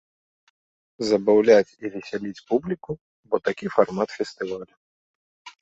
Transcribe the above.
Забаўляць і весяліць публіку, бо такі фармат фестывалю.